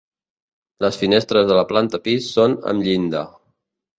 Les finestres de la planta pis són amb llinda.